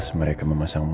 kenapa ya orang itu